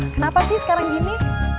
kenapa sih sekarang gini